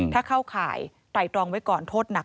ถ้าเข้าข่ายไตรตรองไว้ก่อนโทษหนัก